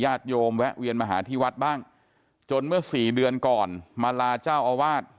โยมแวะเวียนมาหาที่วัดบ้างจนเมื่อสี่เดือนก่อนมาลาเจ้าอาวาส